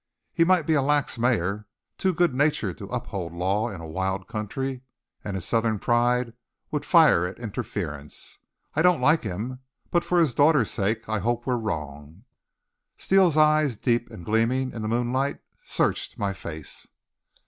"He might be a lax mayor, too good natured to uphold law in a wild country. And his Southern pride would fire at interference. I don't like him, but for his daughter's sake I hope we're wrong." Steele's eyes, deep and gleaming in the moonlight, searched my face.